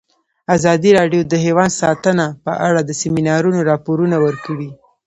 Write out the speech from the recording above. ازادي راډیو د حیوان ساتنه په اړه د سیمینارونو راپورونه ورکړي.